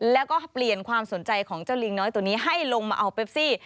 แล้วก็เปลี่ยนความสนใจของเจ้าลิงน้อยตัวนี้ให้ลงมาเอาเปปซี่